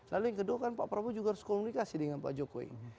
lalu yang kedua kan pak prabowo juga harus komunikasi dengan pak jokowi